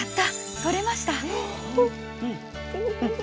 取れました。